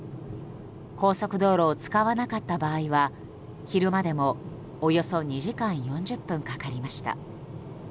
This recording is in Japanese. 高速道路を使わなかった場合は昼間でも、およそ２時間４０分かかりました。